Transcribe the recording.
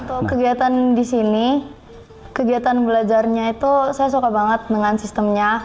untuk kegiatan di sini kegiatan belajarnya itu saya suka banget dengan sistemnya